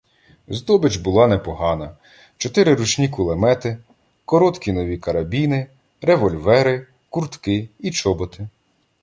Здобич була непогана: чотири ручні кулемети, короткі нові карабіни, револьвери, куртки і чоботи.